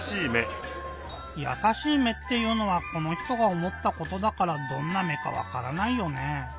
「やさしい目」っていうのはこの人がおもったことだからどんな目かわからないよね。